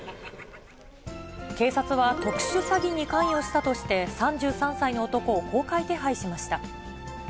警察は特殊詐欺に関与したとして、３３歳の男を公開手配しました。